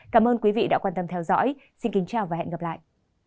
các bạn đã quan tâm theo dõi xin kính chào và hẹn gặp lại